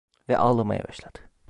Ve ağlamaya başladı…